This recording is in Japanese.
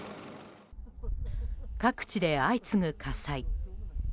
各地で相次ぐ火災。